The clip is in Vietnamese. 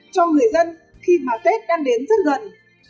cho người dân khi mà tết đang đến rất gần